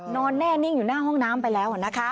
นอนแน่นิ่งอยู่หน้าห้องน้ำไปแล้ว